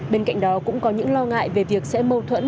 bên cạnh đó cũng có những lo ngại về việc sẽ mâu thuẫn